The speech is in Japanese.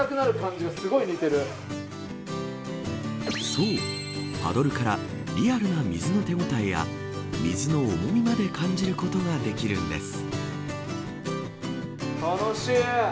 そうパドルからリアルな水の手応えや水の重みまで感じることができるんです。